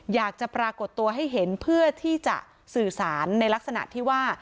อยากจะปรากฏตัวให้เห็นเพื่อที่จะสื่อสารในลักษณะที่ว่า